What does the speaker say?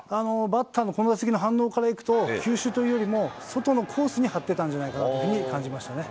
バッターのこの打席の反応からいうと、球種というよりも、外のコースに張ってたんじゃないかなというふうに感じましたね。